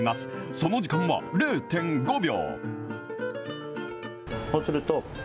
その時間は０．５秒。